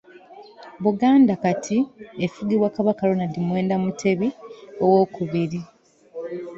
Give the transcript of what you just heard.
Buganda Kati efugibwa Kabaka Ronald Muwenda Mutebi owokubiri.